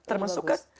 iya termasuk kan